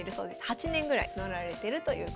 ８年ぐらい乗られてるということです。